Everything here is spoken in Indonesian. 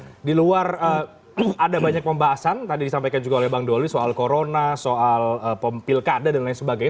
oke di luar ada banyak pembahasan tadi disampaikan juga oleh bang doli soal corona soal pilkada dan lain sebagainya